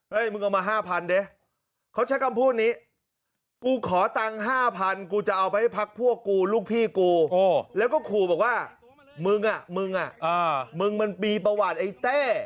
มึงเอามา๕๐๐ดิเขาใช้คำพูดนี้กูขอตังค์๕๐๐กูจะเอาไปให้พักพวกกูลูกพี่กูแล้วก็ขู่บอกว่ามึงอ่ะมึงอ่ะมึงมันมีประวัติไอ้เต้